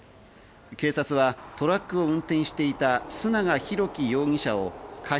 警察はトラックを運転していた須永浩基容疑者を過失